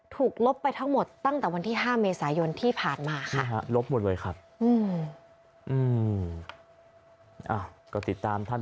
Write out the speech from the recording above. ลบไปทั้งหมดตั้งแต่วันที่๕เมษายนที่ผ่านมาค่ะ